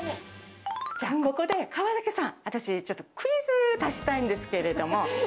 じゃあ、ここで川崎さん、私ちょっと、クイズ出したいんですけれども。